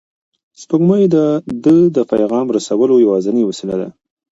سپوږمۍ د ده د پیغام رسولو یوازینۍ وسیله ده.